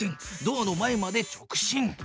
ドアの前まで直進。